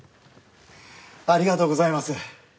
ありがとうございます！